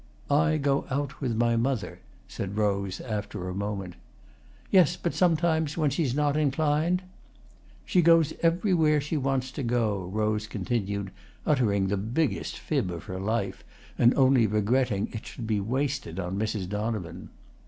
"I go out with my mother," said Rose, after a moment. "Yes, but sometimes when she's not inclined?" "She goes everywhere she wants to go," Rose continued, uttering the biggest fib of her life and only regretting it should be wasted on Mrs. Donovan.